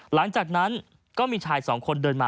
หลังจากนั้นก็มีชายสองคนเดินมา